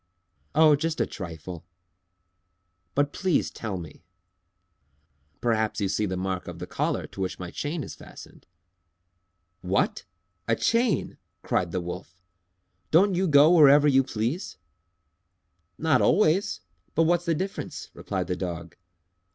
"Oh, just a trifle!" "But please tell me." "Perhaps you see the mark of the collar to which my chain is fastened." "What! A chain!" cried the Wolf. "Don't you go wherever you please?" "Not always! But what's the difference?" replied the Dog.